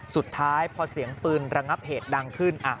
สุดท้ายพอเสียงปืนระงับเหตุดังขึ้น